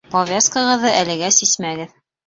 Повязкағыҙҙы әлегә сисмәгеҙ